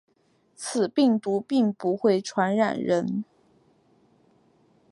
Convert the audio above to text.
此病毒并不会感染人。